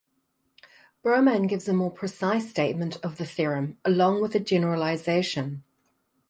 Broman gives a more precise statement of the theorem, along with a generalization.